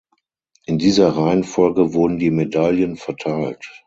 In dieser Reihenfolge wurden die Medaillen verteilt.